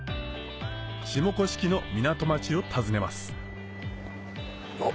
下甑の港町を訪ねますあっ